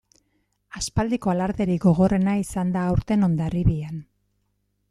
Aspaldiko alarderik gogorrena izan da aurten Hondarribian.